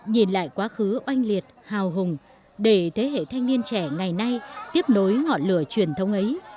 nhìn lại quá khứ oanh liệt hào hùng để thế hệ thanh niên trẻ ngày nay tiếp nối ngọn lửa truyền thống ấy